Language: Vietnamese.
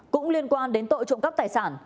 cũng liên quan đến tội trộm cắp tài sản